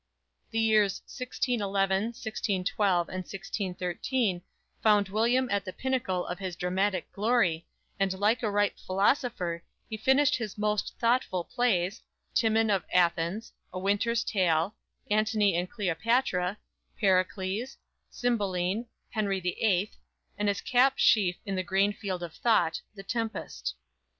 The years 1611, 1612 and 1613 found William at the pinnacle of his dramatic glory, and like a ripe philosopher he finished his most thoughtful plays, "Timon of Athens," "A Winter's Tale," "Antony and Cleopatra," "Pericles," "Cymbeline," "Henry the Eighth," and his cap sheaf in the grain field of thought, "The Tempest."